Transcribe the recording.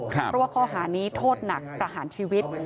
เพราะว่าข้อหานี้โทษหนักประหารชีวิต